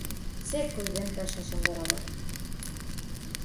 Секој ден пешачам до работа.